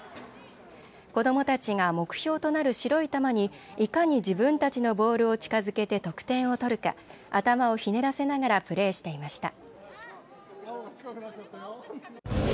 子どもたちが目標となる白い球にいかに自分たちのボールを近づけて得点を取るか頭をひねらせながらプレーしていました。